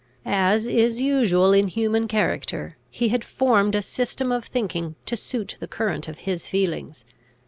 As is usual in human character, he had formed a system of thinking to suit the current of his feelings.